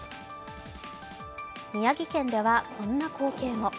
宮城県ではこんな光景も。